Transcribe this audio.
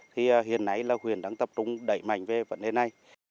thì hiện nay là huyện đang tập trung đẩy mạnh về vấn đề này